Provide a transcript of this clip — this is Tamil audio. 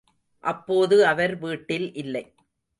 அப்போது அவர் வீட்டில் இல்லை.